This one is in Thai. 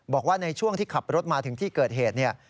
บอกว่าในช่วงที่ขับรถมาถึงที่เกิดเหตุเนี่ย